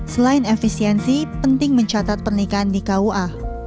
selain efisiensi penting mencatat pernikahan di kua